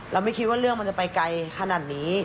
ไม่คิดว่าเรื่องมันจะไปไกลขนาดนี้